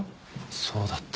そうだった。